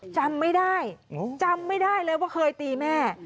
จำไม่ได้จำไม่ได้เลยว่าเคยตีแม่